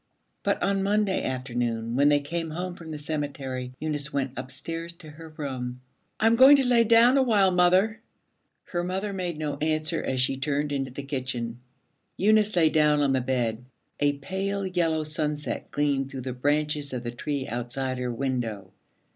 But on Monday afternoon when they came home from the cemetery, Eunice went upstairs to her room. 'I'm going to lie down a while, mother.' Her mother made no answer as she turned into the kitchen. Eunice lay down on the bed. A pale yellow sunset gleamed through the branches of the tree outside her window.